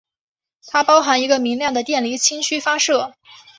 它包含一个明亮的电离氢区发射。